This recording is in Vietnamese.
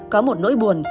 có một nỗi buồn